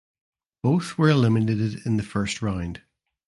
Both were eliminated in the first round.